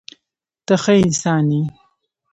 ته ښه انسان یې.